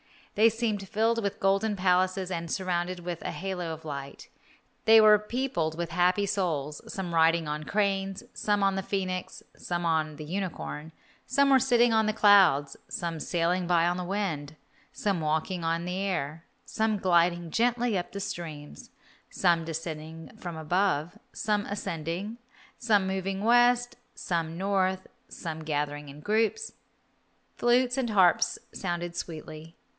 They seemed filled with golden palaces and surrounded with a halo of light. They were peopled with happy souls, some riding on cranes, some on the phoenix, some on the unicorn; some were sitting on the clouds, some sailing by on the wind, some walking on the air, some gliding gently up the streams, some descending from above, some ascending, some moving west, some north, some gathering in groups. Flutes and harps sounded sweetly.